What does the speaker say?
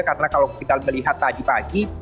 karena kalau kita melihat tadi pagi